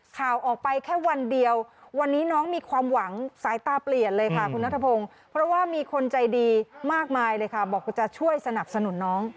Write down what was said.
ค่ะคุณหน้าตะโพงเพราะว่ามีคนใจดีมากมายเลยค่ะบอกว่าจะช่วยสนับสนุนน้อง